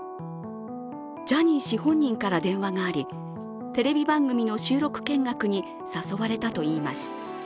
ジャニー氏本人から電話があり、テレビ番組の収録見学に誘われたといいます。